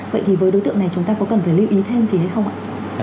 vậy thì với đối tượng này chúng ta có cần phải lưu ý thêm gì hay không ạ